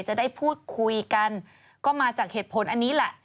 จะได้พูดคุยกันก็มาจากเหตุผลอันนี้แหละ